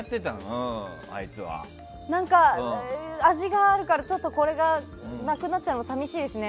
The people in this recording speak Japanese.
味があるからこれがなくなっちゃうのは寂しいですね。